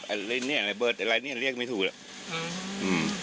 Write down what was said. อะไรนี้อะไรเบิดอะไรนี้เรียกไม่ถูกแล้ว